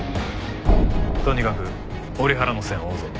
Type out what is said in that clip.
とにかく折原の線を追うぞ。